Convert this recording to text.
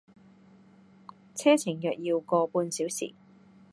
車程約要個半小時